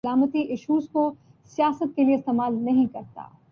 عبدالرحمن کا international cricket سے retirement کا اعلان